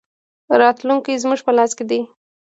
راتلونکی زموږ په لاس کې دی